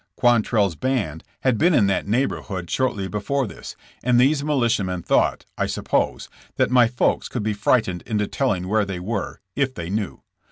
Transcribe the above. Quantrell's band had been in that neighborhood THS BORDER WARS. 29 shortly before this, and these militiamen thought, I suppose, that my folks could be frightened into telling where they were, if they knew.